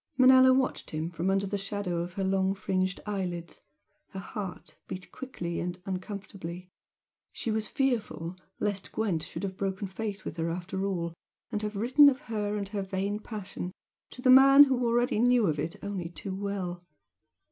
Manella watched him from under the shadow of her long fringed eyelids her heart beat quickly and uncomfortably. She was fearful lest Gwent should have broken faith with her after all, and have written of her and her vain passion, to the man who already knew of it only too well.